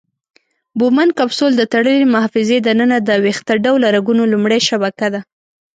بومن کپسول د تړلې محفظې د ننه د ویښته ډوله رګونو لومړۍ شبکه ده.